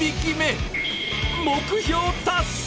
目標達成！